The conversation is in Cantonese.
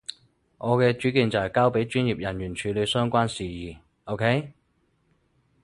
我嘅主見就係交畀專業人員處理相關事宜，OK？